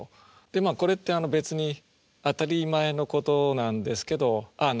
でこれって別に当たり前のことなんですけどあ